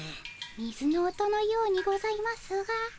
水の音のようにございますが。